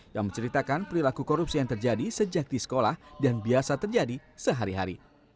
yang menceritakan perilaku korupsi yang terjadi sejak di sekolah dan biasa terjadi sehari hari